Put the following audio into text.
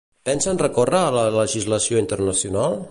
Pensen recórrer a la legislació internacional?